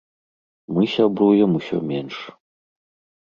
Мы сябруем усё менш.